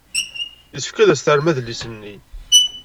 Yessefk ad as-terrem adlis-nni.